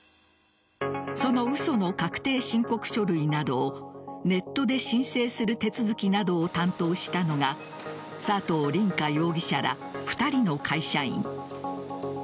その嘘の確定申告書類などをネットで申請する手続きなどを担当したのが佐藤凜果容疑者ら２人の会社員。